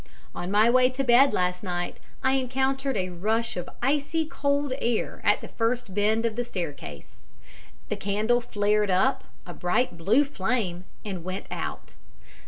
_ On my way to bed last night I encountered a rush of icy cold air at the first bend of the staircase. The candle flared up, a bright blue flame, and went out.